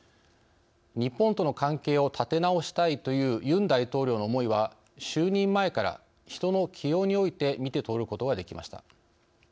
日本との関係を立て直したいという、ユン大統領の思いは就任前から人の起用において見て取ることができました。